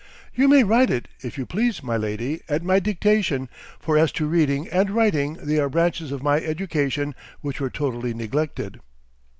"You may write it, if you please, my lady, at my dictation, for as to reading and writing, they are branches of my education which were totally neglected."